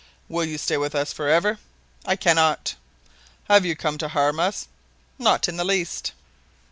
"Will you stay with us forever?" "I cannot." "Have you come to harm us?" "Not in the least."